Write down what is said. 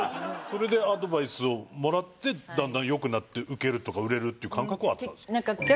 それでアドバイスをもらってだんだん良くなってウケるとか売れるっていう感覚はあったんですか？